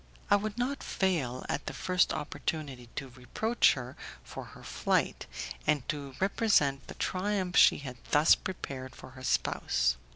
I would not fail at the first opportunity to reproach her for her flight, and to represent the triumph she had thus prepared for her spouse.